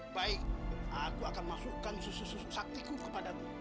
baik aku akan masukkan susu susu saktiku kepadamu